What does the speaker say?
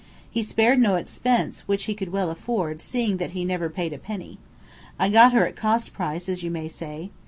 He spared no expense, which he could well afford, seeing that he never paid a penny. I got her at cost price, as you may say.